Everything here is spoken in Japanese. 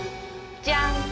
ジャン！